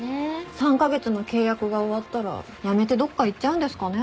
３カ月の契約が終わったら辞めてどこか行っちゃうんですかね？